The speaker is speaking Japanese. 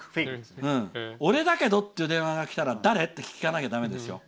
俺だけどっていう電話がきたら誰？って聞かなきゃだめですよ。